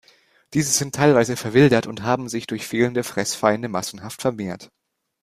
Diese sind teilweise verwildert und haben sich durch fehlende Fressfeinde massenhaft vermehrt.